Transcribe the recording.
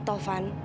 udah lah tovan